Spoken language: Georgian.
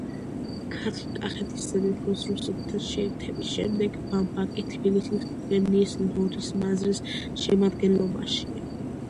ქართლ-კახეთის სამეფოს რუსეთთან შეერთების შემდეგ ბამბაკი თბილისის გუბერნიის ლორის მაზრის შემადგენლობაშია.